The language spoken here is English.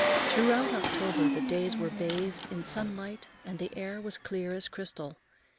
Throughout October the days were bathed in sunlight and the air was clear as crystal.